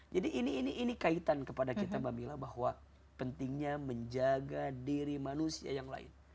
jadi ini kaitan kepada kita mba mila bahwa pentingnya menjaga diri manusia yang lain